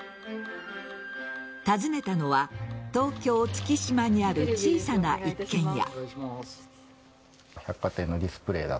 訪ねたのは東京・月島にある小さな一軒家。